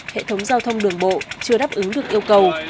hệ thống giao thông đường bộ chưa đáp ứng được yêu cầu